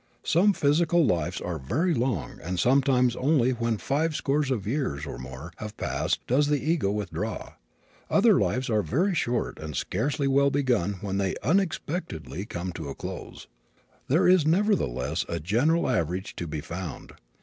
Some physical lives are very long and sometimes only when five scores of years, or more, have passed does the ego withdraw. Other lives are very short and scarcely well begun when they unexpectedly come to a close. There is nevertheless a general average to be found.